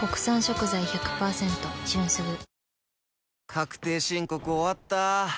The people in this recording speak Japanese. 確定申告終わった。